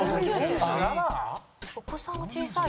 お子さんは小さい。